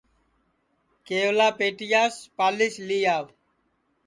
کیولا پِٹیاس پالِیس لی آو